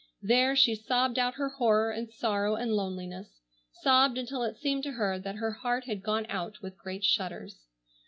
There she sobbed out her horror and sorrow and loneliness, sobbed until it seemed to her that her heart had gone out with great shudders.